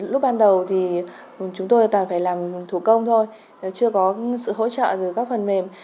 lúc ban đầu thì chúng tôi toàn phải làm thủ công thôi chưa có sự hỗ trợ từ các phần mềm